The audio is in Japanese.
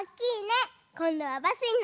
こんどはバスになるよ！